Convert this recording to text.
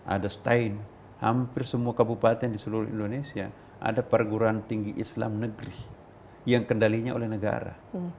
ada stein hampir semua kabupaten di seluruh indonesia ada perguruan tinggi islam negeri yang kendalinya oleh negara